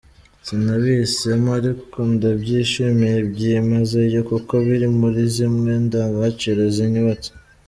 Sinabihisemo, ariko ndabyishimiye byimazeyo, kuko biri muri zimwe ndangagaciro zinyubatse.